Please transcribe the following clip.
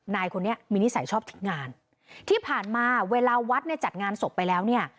นายคนนี้มีนิสัยชอบงานที่ผ่านมาเวลาวัดเนี่ยจัดงานศพไปแล้วเนี่ย